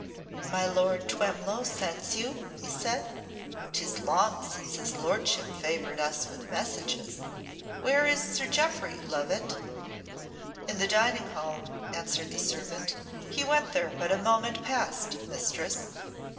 "My Lord Twemlow sends you?" he said. "'Tis long since his lordship favoured us with messages. Where is Sir Jeoffry, Lovatt?" "In the dining hall," answered the servant. "He went there but a moment past, Mistress."